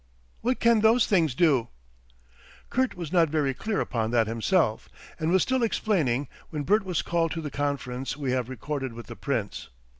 What can those things do?" Kurt was not very clear upon that himself, and was still explaining when Bert was called to the conference we have recorded with the Prince.